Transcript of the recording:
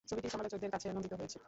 ছবিটি সমালোচকদের কাছে নন্দিত হয়েছে।